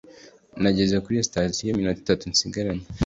nageze kuri sitasiyo iminota itatu nsigaranye.